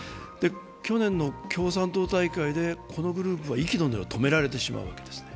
去年の共産党大会でこのグループは息の根を止められてしまうわけですね。